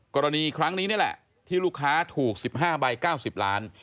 กรณีครั้งนี้นี่แหละที่ลูกค้าถูก๑๕ใบ๙๐ล้าน